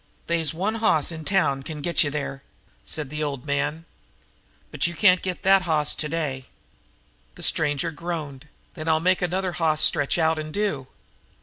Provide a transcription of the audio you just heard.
"They's one hoss in town can get you there," said the old man. "But you can't get that hoss today." The stranger groaned. "Then I'll make another hoss stretch out and do."